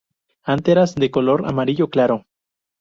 Anteras de color amarillo claro.